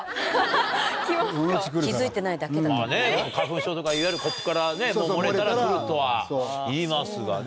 まぁね花粉症とかいわゆるコップから漏れたらくるとはいいますがね。